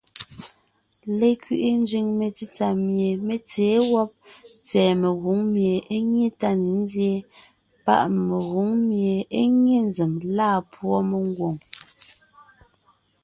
Lekẅiʼi nzẅìŋ metsítsà pie mé tsěen wɔ́b tsɛ̀ɛ megwòŋ mie é nyé tá ne nzyéen páʼ mengwòŋ mie é nye nzèm lâ púɔ mengwòŋ.